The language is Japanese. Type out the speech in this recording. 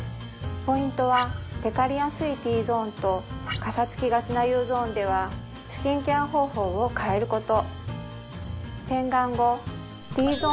ポイントはテカりやすいＴゾーンとかさつきがちなＵゾーンではスキンケア方法を変えること